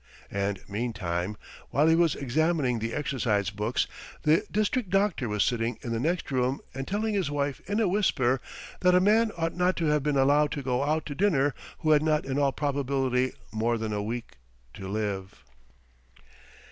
... And meantime, while he was examining the exercise books, the district doctor was sitting in the next room and telling his wife in a whisper that a man ought not to have been allowed to go out to dinner who had not in all probability more than a week to live.